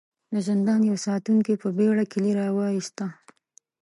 د زندان يوه ساتونکي په بېړه کيلې را وايسته.